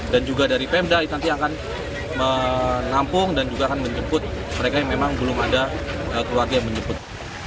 dan juga dari pemda yang nanti akan menampung dan juga akan menjemput mereka yang memang belum ada keluarga yang menjemput